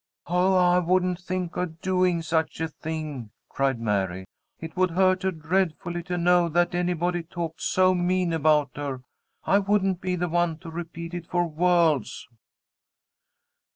"Oh, I wouldn't think of doing such a thing!" cried Mary. "It would hurt her dreadfully to know that anybody talked so mean about her. I wouldn't be the one to repeat it, for worlds!"